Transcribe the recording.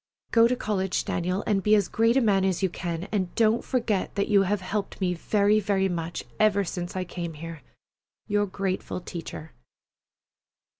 Go to college, Daniel, and be as great a man as you can, and don't forget that you have helped me very, very much ever since I came here. YOUR GRATEFUL TEACHER.